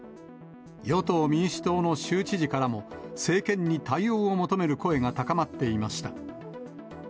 与党・民主党の州知事からも、政権に対応を求める声が高まっていました。